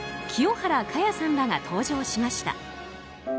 清原果耶さんらが登場しました。